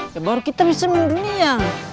ya baru kita bisa mendunia